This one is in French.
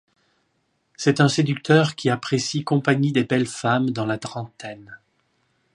C'est un séducteur qui apprécie compagnie des belles femmes dans la trentaine.